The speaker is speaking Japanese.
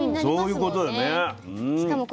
そういうことよね。